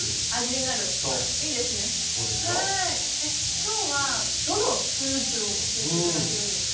今日はどのフルーツを教えて頂けるんですか？